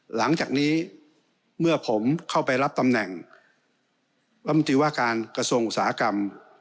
หลังจากนี้เมื่อผมเข้าไปรับตำแหน่งรัฐมนตรีว่าการกระทรวงอุตสาหกรรม